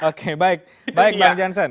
oke baik baik bang jansen